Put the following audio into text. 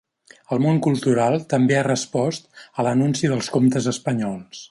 El món cultural també ha respost a l’anunci dels comptes espanyols.